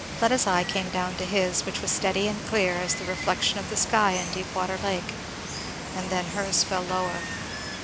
Fleda's eye came down to his, which was steady and clear as the reflection of the sky in Deepwater lake, and then hers fell lower.